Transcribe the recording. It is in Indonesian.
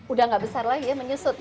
udah gak besar lagi ya menyusut